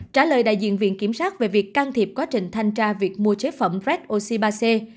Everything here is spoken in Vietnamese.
trả lời đại diện viện kiểm sát về việc can thiệp quá trình thanh tra việc mua chế phẩm red oxy ba c